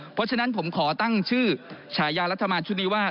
เพราะฉะนั้นผมขอตั้งชื่อฉายารัฐบาลชุดนี้ว่า